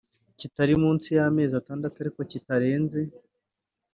Kitari munsi y amezi atandatu ariko kitarenze